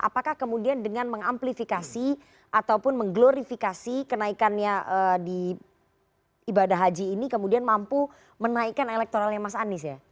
apakah kemudian dengan mengamplifikasi ataupun mengglorifikasi kenaikannya di ibadah haji ini kemudian mampu menaikkan elektoralnya mas anies ya